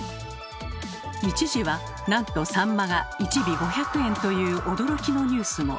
一時はなんとサンマが１尾５００円という驚きのニュースも。